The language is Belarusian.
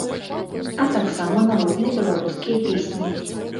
А таксама народныя беларускія песні.